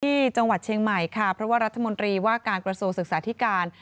ที่จังหวัดเชียงใหม่ค่ะเพราะว่ารัฐมนตรีว่าการกระทรวงศึกษาธิการ